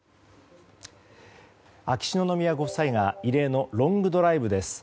秋篠宮ご夫妻が異例のロングドライブです。